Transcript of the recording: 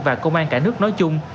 và công an cả nước nói chung